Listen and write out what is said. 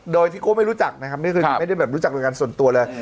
โดยที่ก็ไม่รู้จักนะครับไม่ได้แบบรู้จักโดยการส่วนตัวเลย